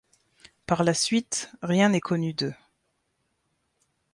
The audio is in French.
Par la suite, rien n'est connu d'eux.